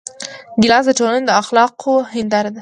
ګیلاس د ټولنې د اخلاقو هنداره ده.